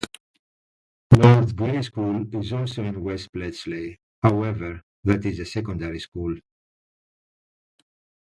Lord Grey School is also in West Bletchley, however that is a Secondary School.